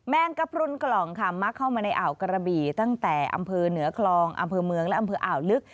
งกระพรุนกล่องค่ะมักเข้ามาในอ่าวกระบี่ตั้งแต่อำเภอเหนือคลองอำเภอเมืองและอำเภออ่าวลึก